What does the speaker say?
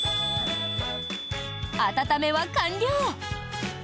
温めは完了。